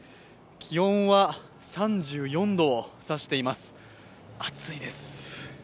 気温は３４度を指しています暑いです。